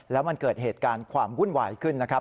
แล้วมันเกิดเหตุการณ์ความวุ่นวายขึ้นนะครับ